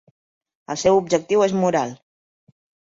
El seu objectiu és moral.